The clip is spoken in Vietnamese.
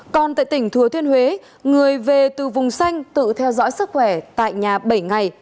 còn tại tỉnh thừa thiên huế người về từ vùng xanh tự theo dõi sức khỏe tại nhà bảy ngày